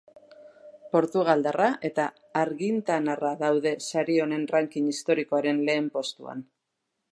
Portugaldarra eta argintanarra daude sari honen ranking historikoaren lehen postuan.